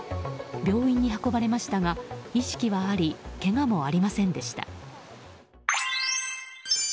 病院に運ばれましたが意識はありけがもありませんでした。